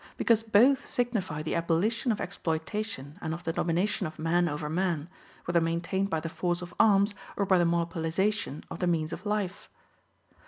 Because both signify the abolition of exploitation and of the domination of man over man, whether maintained by the force of arms or by the monopolization of the means of life.